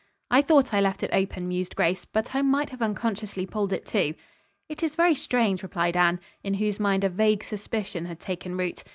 "I thought I left it open," mused Grace, "but I might have unconsciously pulled it to." "It is very strange," replied Anne, in whose mind a vague suspicion had taken root.